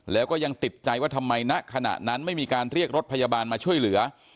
แล้วก็ยังติดใจว่าทำไมณขณะนั้นไม่มีการเรียกรถพยาบาลมาช่วยเหลือ